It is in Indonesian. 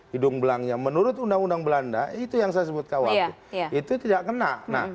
hidung belangnya menurut undang undang belanda itu yang saya sebut kuhp itu tidak kena